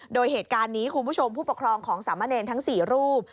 โดยเหตุการณ์นี้คุณผู้ชมผู้ปกครองของสามะเนรทั้ง๔รูป